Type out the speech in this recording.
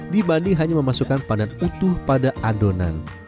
dibanding hanya memasukkan pandan utuh pada adonan